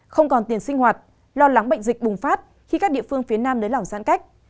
không còn tiền sinh hoạt lo lắng bệnh dịch bùng phát khi các địa phương phía nam nới lỏng giãn cách